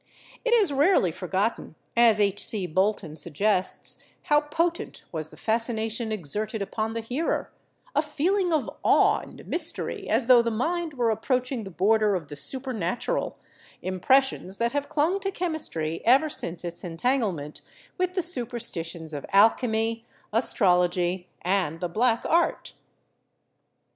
It is rarely forgotten, as H. C. Bolton suggests, how potent was the fascination exerted upon the hearer, a feeling of awe and mystery as tho the mind were approach ing the border of the supernatural, impressions that have clung to chemistry ever since its entanglement with the superstitions of alchemy, astrology and the "black art."